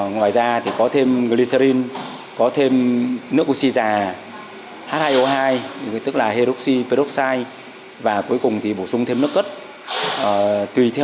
ngoài ra có thêm glycerin có thêm nước oxy già h hai o hai tức là hydroxy peroxide và cuối cùng bổ sung thêm nước cất